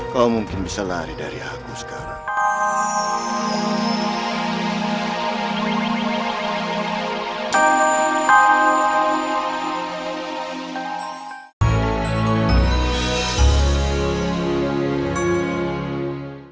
kau mungkin bisa lari dari aku sekarang